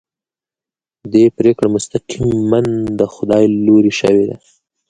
دې پرېکړه مستقیماً د خدای له لوري شوې ده.